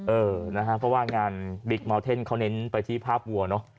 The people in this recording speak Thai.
เออนะฮะเพราะว่างานบิ๊กเมาเทนเขาเน้นไปที่ภาพวัวเนอะ